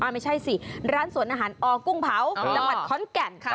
ไม่ใช่สิร้านสวนอาหารอกุ้งเผาจังหวัดขอนแก่นค่ะ